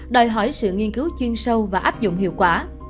đòi hỏi sự nghiên cứu chuyên sâu và áp dụng hiệu quả